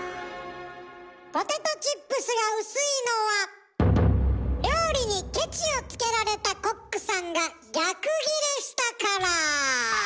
ポテトチップスが薄いのは料理にケチをつけられたコックさんが逆ギレしたから。